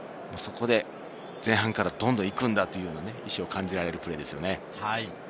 前半からどんどん行くんだという意思が感じられるプレーでしたね。